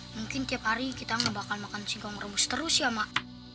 mungkin tiap hari kita ngebakal makan singkong rebus terus ya mak